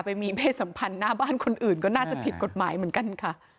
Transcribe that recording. ไปมีเพศสัมพันธ์หน้าบ้านคนอื่นก็น่าจะผิดกฎหมายเหมือนกันค่ะ